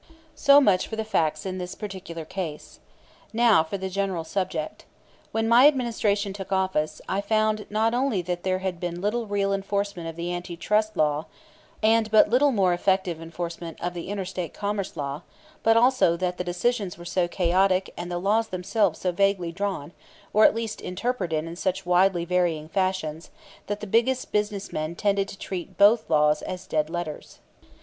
So much for the facts in this particular case. Now for the general subject. When my Administration took office, I found, not only that there had been little real enforcement of the Anti Trust Law and but little more effective enforcement of the Inter State Commerce Law, but also that the decisions were so chaotic and the laws themselves so vaguely drawn, or at least interpreted in such widely varying fashions, that the biggest business men tended to treat both laws as dead letters.